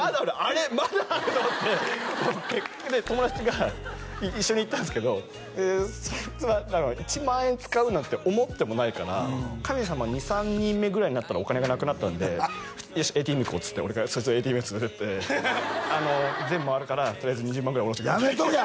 まだあると思ってで友達が一緒に行ったんすけどそいつは１万円使うなんて思ってもないから神様２３人目ぐらいになったらお金がなくなったんでよしＡＴＭ行こうっつって俺がそいつをＡＴＭに連れてって全部回るからとりあえず２０万ぐらい下ろしとけやめとけ！